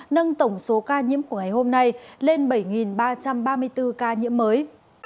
nâng tổng số ca nhiễm của ngày hôm nay lên bảy ba trăm ba mươi bốn ca nhiễm mới